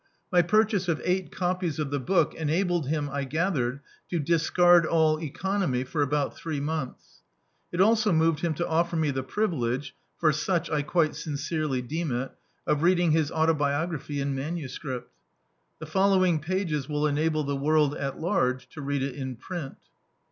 My purchase of eight copies of the book enabled him, I gathered, to dis card all economy for about three months. It also moved him to offer me the privilege (for such I quite sincerely deem it) of reading his autobiography in manuscripL The following pages will enable the world at large to read it in print.